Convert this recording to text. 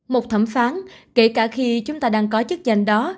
một thẩm phán kể cả khi chúng ta đang có chức danh đó